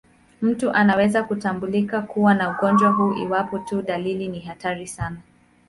Mtu anaweza kutambulika kuwa na ugonjwa huu iwapo tu dalili ni hatari sana.